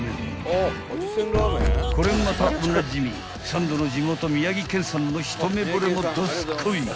［これまたおなじみサンドの地元宮城県産のひとめぼれもどすこい！］